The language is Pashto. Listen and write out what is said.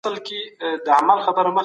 د دنيا ژوند لنډ دی.